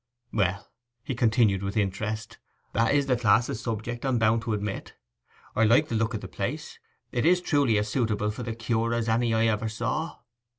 'Well,' he continued, with interest, 'that is the class o' subject, I'm bound to admit! I like the look of the place; it is truly as suitable for the cure as any I ever saw.